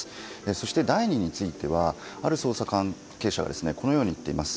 そして、第２についてはある捜査関係者がこのように言っています。